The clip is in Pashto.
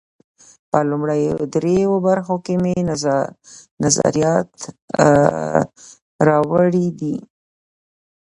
په لومړیو درېیو برخو کې مې نظریات راوړي دي.